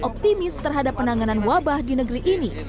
optimis terhadap penanganan wabah di negeri ini